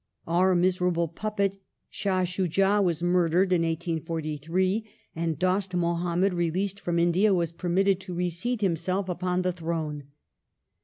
Our miserable puppet Shah Shuja was murdered in 1843, and Dost Muhammad, released from India, was permitted to reseat himself upon the throne.